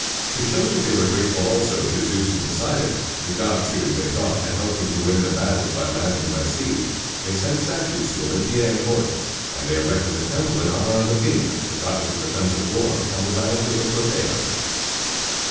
To show that they were grateful also to Zeus and Poseidon, the gods who, they thought, had helped them to win their battles by land and by sea, they sent statues to Olympia and Corinth; and they erected a temple in honor of Athene, the goddess of defensive war, on the battlefield of Platæa.